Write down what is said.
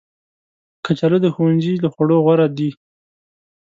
کچالو د ښوونځي له خوړو غوره دي